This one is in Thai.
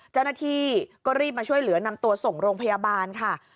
เจ้าหน้าที่ก็รีบมาช่วยเหลือนำตัวส่งโรงพยาบาลค่ะ